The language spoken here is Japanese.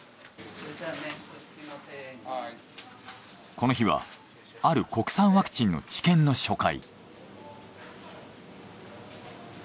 この日はある国産ワクチンの治験の初回。